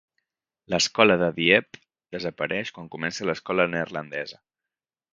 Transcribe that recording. L'escola de Dieppe desapareix quan comença l'escola neerlandesa.